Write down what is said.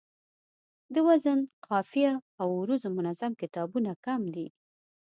د وزن، قافیې او عروضو منظم کتابونه کم دي